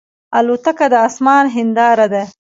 الوتکه د آسمان هنداره ده.